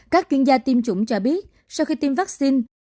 các chuyên gia tiêm chủng cho biết sau khi tiêm vaccine